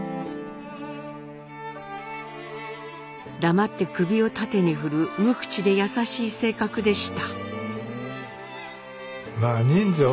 黙って首を縦に振る無口で優しい性格でした。